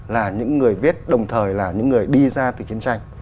là những người viết đồng thời là những người đi ra từ chiến tranh